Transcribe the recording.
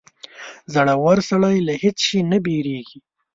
• زړور سړی له هېڅ شي نه وېرېږي.